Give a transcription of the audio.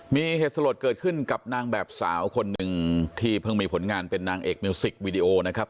มีเหตุสลดเกิดขึ้นกับนางแบบสาวคนหนึ่งที่เพิ่งมีผลงานเป็นนางเอกมิวสิกวีดีโอนะครับ